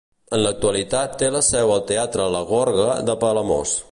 En l'actualitat té la seu al teatre la Gorga de Palamós.